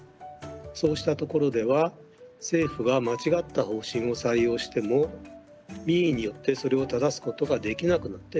そうしたところでは政府が間違った方針を採用しても民意によってそれを正すことができなくなってしまいます。